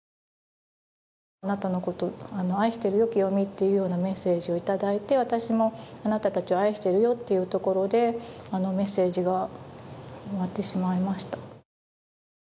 あなたのことを愛しているよ、記世実、というメッセージをいただいて、私もあなたたちを愛しているよというところでメッセージが終わってしまいました。